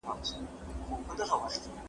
که استاد په املا کي تشویقي کلمې وکاروي.